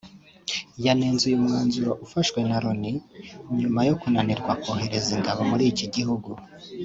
yanenze uyu mwanzuro ufashwe na Loni nyuma yo kunanirwa kohereza ingabo muri iki gihugu